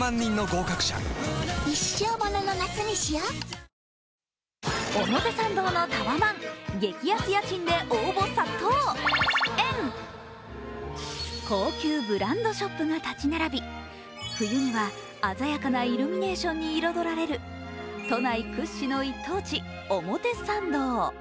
「ナボリンＳ」ヒューマンヘルスケアのエーザイ高級ブランドショップが立ち並び、冬には鮮やかなイルミネーションに彩られる都内屈指の一等地・表参道。